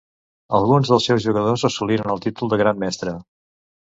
Alguns dels seus jugadors assoliren el títol de Gran Mestre.